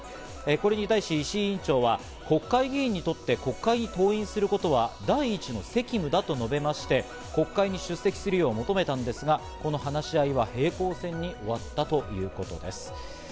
これに対し、石井委員長は国会議員にとって国会に登院することは第一の責務だと述べまして、国会に出席するよう求めたんですが、この話し合いは平行線に終わったということです。